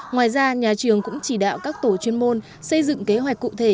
ngoài ra nhà trường cũng chỉ đạo các tổ chuyên môn xây dựng kế hoạch cụ thể